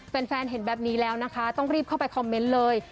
แฟนเห็นแบบนี้แล้วนะคะต้องรีบเข้าไปคอมเมนต์เลย